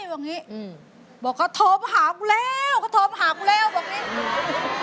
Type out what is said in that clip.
บอกงี้อืมบอกเขาโทรมาหากูแล้วเขาโทรมาหากูแล้วบอกงี้อืม